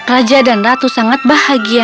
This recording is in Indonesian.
raja dan ratu sangat bahagia